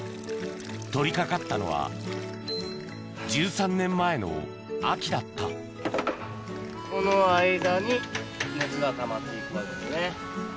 取り掛かったのは１３年前の秋だったこの間に熱がたまって行くわけだね。